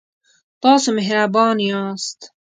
تاسو مهربان یاست